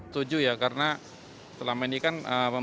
setuju ya karena selama ini kan pemerintah menstrukturkan